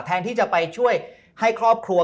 แทนที่จะไปช่วยให้ครอบครัว